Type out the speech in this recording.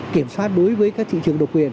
kiểm soát đối với các thị trường độc quyền